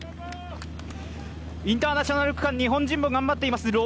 インターナショナル区間、日本人も頑張っています。